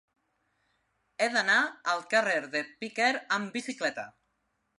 He d'anar al carrer de Piquer amb bicicleta.